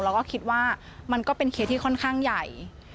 แล้วก็คิดว่ามันก็เป็นเคสที่ค่อนข้างใหญ่